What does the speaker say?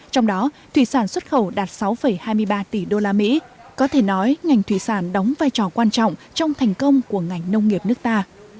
trong đó thủy sản xuất khẩu đạt sáu hai mươi ba tỷ usd có thể nói ngành thủy sản đóng vai trò quan trọng trong thành công của ngành nông nghiệp nước ta